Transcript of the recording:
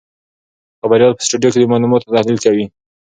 خبریال په سټوډیو کې د معلوماتو تحلیل کوي.